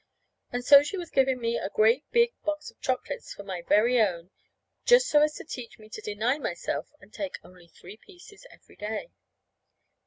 And so she was giving me a great big box of chocolates for my very own, just so as to teach me to deny myself and take only three pieces every day.